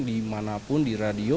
dimanapun di radio